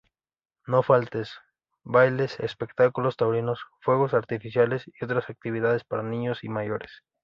No faltan bailes, espectáculos taurinos, fuegos artificiales y otras actividades para niños y mayores.